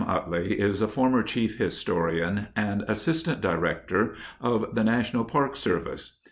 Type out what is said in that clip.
Utley is a former Chief Historian and Assistant Director of the National Park Service.